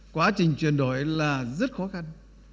quá trình chuyển đổi là rất khó khăn